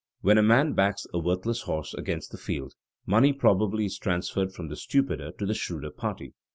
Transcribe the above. When a man backs a worthless horse against the field, money probably is transferred from the stupider to the shrewder party.